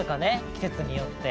季節によって」